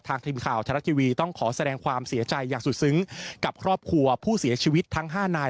ทีมข่าวไทยรัฐทีวีต้องขอแสดงความเสียใจอย่างสุดซึ้งกับครอบครัวผู้เสียชีวิตทั้ง๕นาย